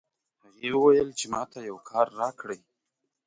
هغې وویل چې ما ته یو کار راکړئ